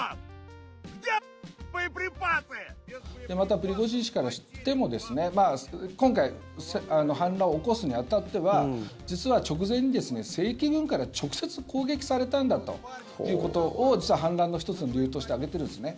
またプリゴジン氏からしても今回、反乱を起こすに当たっては実は直前に、正規軍から直接攻撃されたんだということを反乱の１つの理由として挙げているんですね。